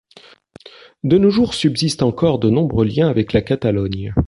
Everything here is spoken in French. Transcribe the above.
De nos jours, subsistent encore de nombreux liens avec la Catalogne.